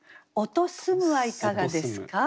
「音澄む」はいかがですか？